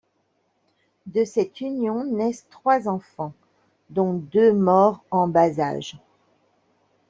De cette union naissent trois enfants, dont deux morts en bas âge.